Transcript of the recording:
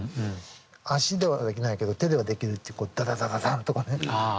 足ではできないけど手ではできるっていうダダダダダンとかねやるでしょ。